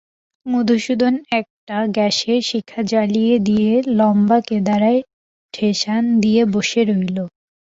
মধুসূদন একটা গ্যাসের শিখা জ্বালিয়ে দিয়ে লম্বা কেদারায় ঠেসান দিয়ে বসে রইল।